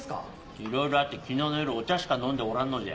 いろいろあって昨日の夜お茶しか飲んでおらんのじゃ。